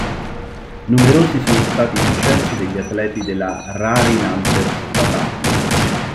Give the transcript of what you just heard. Numerosi sono stati i successi degli atleti della Rari Nantes Patavium.